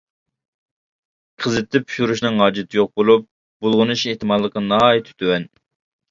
قىزىتىپ پىشۇرۇشنىڭ ھاجىتى يوق بولۇپ، بۇلغىنىش ئېھتىماللىقى ناھايىتى تۆۋەن.